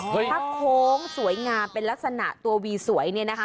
ถ้าโค้งสวยงามเป็นลักษณะตัววีสวยเนี่ยนะคะ